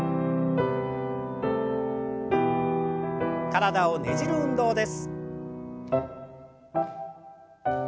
体をねじる運動です。